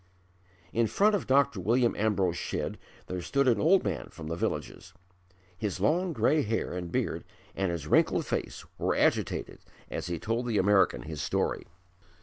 In front of Dr. William Ambrose Shedd there stood an old man from the villages. His long grey hair and beard and his wrinkled face were agitated as he told the American his story.